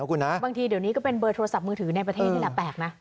คุณนะบางทีเดี๋ยวนี้ก็เป็นเบอร์โทรศัพท์มือถือในประเทศนี่แหละแปลกนะ